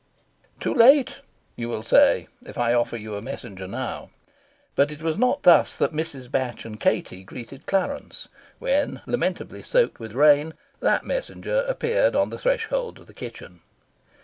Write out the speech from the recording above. "Too late," you will say if I offer you a Messenger now. But it was not thus that Mrs. Batch and Katie greeted Clarence when, lamentably soaked with rain, that Messenger appeared on the threshold of the kitchen.